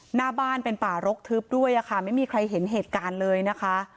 หน้าบ้านเป็นป่ารกทึบด้วยค่ะไม่มีใครเห็นเหตุการณ์เลยนะคะ